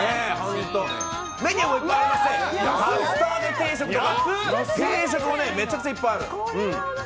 メニューもいっぱいありまして竜田揚げ定食とか、定食もめちゃくちゃいっぱいある。